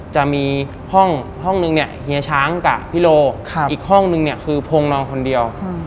จะมีห้องนึงเนี่ยเฮียช้างกับพี่โลอีกห้องนึงเนี่ยคือพงนอนคนเดียว